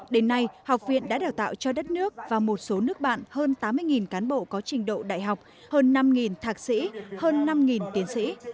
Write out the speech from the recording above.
đến nay học viện đã đào tạo cho đất nước và một số nước bạn hơn tám mươi cán bộ có trình độ đại học hơn năm thạc sĩ hơn năm tiến sĩ